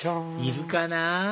いるかな？